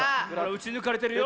うちぬかれてるよ。